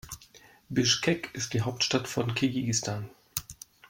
Bischkek ist die Hauptstadt von Kirgisistan.